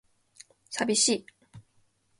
寂しい